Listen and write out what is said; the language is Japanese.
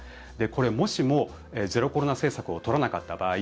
これ、もしもゼロコロナ政策を取らなかった場合